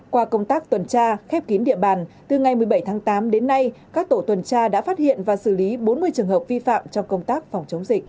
qua công tác tuần tra khép kín địa bàn từ ngày một mươi bảy tháng tám đến nay các tổ tuần tra đã phát hiện và xử lý bốn mươi trường hợp vi phạm trong công tác phòng chống dịch